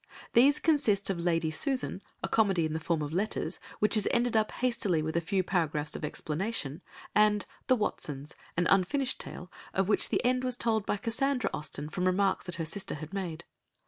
These consist of Lady Susan, a comedy in the form of letters, which is ended up hastily with a few paragraphs of explanation; and The Watsons, an unfinished tale, of which the end was told by Cassandra Austen from remarks that her sister had made.